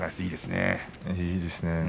いいですね。